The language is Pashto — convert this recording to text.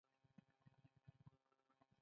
په پخوا وختونو کې خلک خزانه ښخوله.